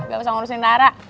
gak usah ngurusin rara